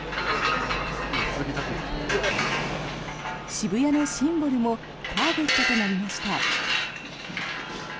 渋谷のシンボルもターゲットとなりました。